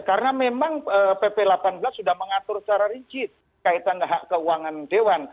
karena memang pp delapan belas sudah mengatur secara rigid kaitan dengan hak keuangan dewan